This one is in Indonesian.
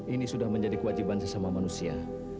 ini sudah menjadi kewajiban sesama manusia